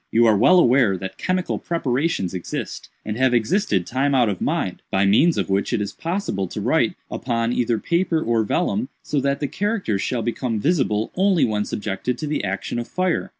You are well aware that chemical preparations exist, and have existed time out of mind, by means of which it is possible to write upon either paper or vellum, so that the characters shall become visible only when subjected to the action of fire.